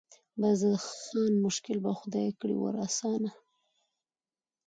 بس د خان مشکل به خدای کړي ور آسانه